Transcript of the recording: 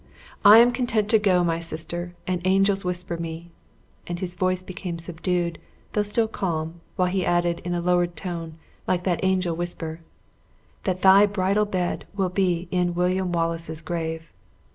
I am content to go, my sister and angels whisper me," (and his voice became subdued, though still calm, while he added, in a lowered tone, like that angel whisper) "that thy bridal bed will be in William Wallace's grave!"